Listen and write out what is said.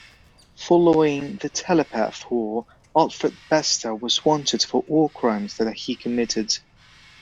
Following the Telepath War, Alfred Bester was wanted for war crimes that he committed.